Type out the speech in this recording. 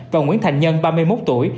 và nguyễn thành nhân ba mươi một tuổi